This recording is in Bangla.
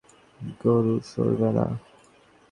গরু সরবে না।